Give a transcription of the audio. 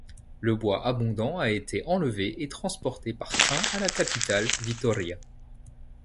Le bois abondant a été enlevé et transporté par train à la capitale, Vitória.